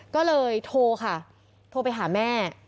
ก็เลยโทรค่ะโทรไปหาแม่